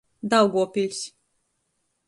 Daugovpiļs.